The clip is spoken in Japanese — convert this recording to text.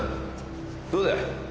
どうだ？